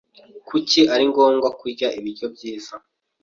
Kuki ari ngombwa kurya ibiryo byiza?